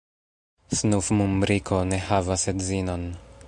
Snufmumriko ne havas edzinon.